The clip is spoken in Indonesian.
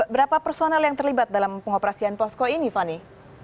berapa personel yang terlibat dalam pengoperasian posko ini fani